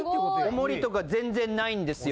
重りとか全然ないんですよ。